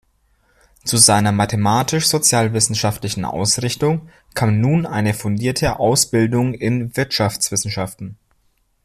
Zu seiner mathematisch-sozialwissenschaftlichen Ausrichtung kam nun eine fundierte Ausbildung in Wirtschaftswissenschaften.